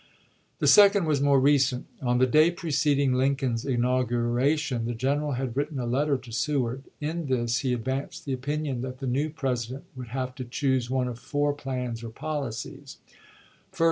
The second was more recent. On the day preceding Lincoln's inauguration, the gen eral had written a letter to Seward. In this he advanced the opinion tliat the new President would have to choose one of four plans or policies : 1st.